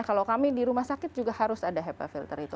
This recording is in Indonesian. kalau kami di rumah sakit juga harus ada hepa filter itu